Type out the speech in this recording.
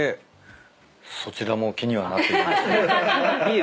そちらも気にはなってるんですけど。